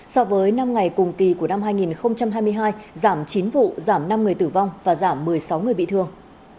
so với năm ngày cùng kỳ của năm hai nghìn hai mươi hai giảm chín vụ giảm năm người tử vong và giảm một mươi sáu người bị thương